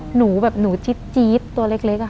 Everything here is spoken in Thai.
หนูแบบหนูจี๊ดตัวเล็กอะ